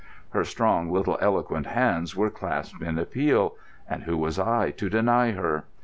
Her strong, little eloquent hands were clasped in appeal—and who was I to deny her?